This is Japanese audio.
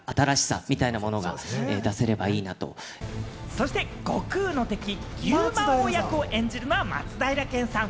そして悟空の敵、牛魔王役を演じるのは松平健さん。